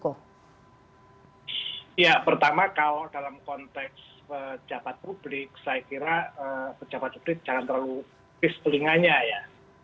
ya pertama kalau dalam konteks pejabat publik saya kira pejabat publik jangan terlalu pis telinganya ya